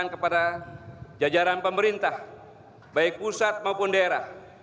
kepada jajaran pemerintah baik pusat maupun daerah